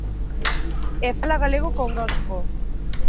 E fala galego connosco.